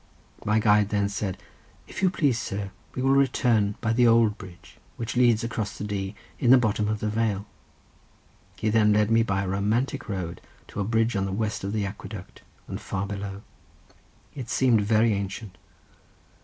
My guide then said, "If you please, sir, we will return by the old bridge, which leads across the Dee in the bottom of the vale." He then led me by a romantic road to a bridge on the west of the aqueduct, and far below. It seemed very ancient.